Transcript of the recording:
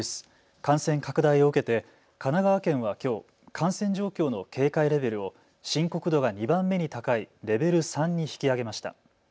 感染拡大を受けて神奈川県はきょう、感染状況の警戒レベルを深刻度が２番目に高いレベル３に引き上げました。